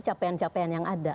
capaian capaian yang ada